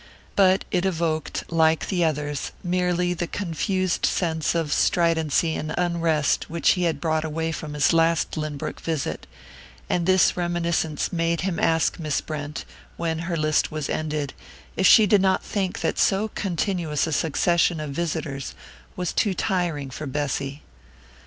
But it evoked, like the others, merely the confused sense of stridency and unrest which he had brought away from his last Lynbrook visit; and this reminiscence made him ask Miss Brent, when her list was ended, if she did not think that so continuous a succession of visitors was too tiring for Bessy.